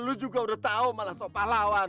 lo juga udah tau malah sopah lawan